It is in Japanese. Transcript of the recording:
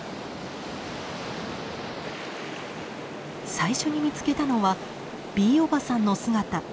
最初に見つけたのはＢおばさんの姿。